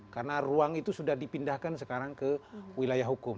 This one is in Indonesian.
karena ruang itu sudah dipindahkan sekarang ke wilayah hukum